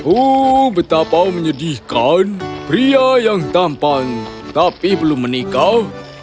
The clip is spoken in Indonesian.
uh betapa menyedihkan pria yang tampan tapi belum menikah